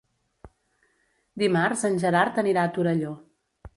Dimarts en Gerard anirà a Torelló.